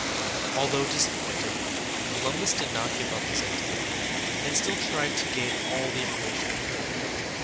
Although disappointed, Columbus did not give up his idea, and still tried to gain all the information he could.